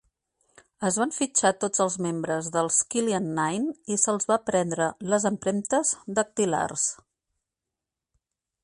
Es van fitxar tots els membres dels "Killian Nine" i se'ls van prendre les empremtes dactilars.